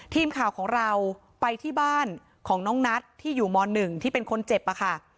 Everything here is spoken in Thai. ทีมข่าวของเราไปที่บ้านของน้องนัทที่อยู่ม๑ที่เป็นคนเจ็บอะค่ะ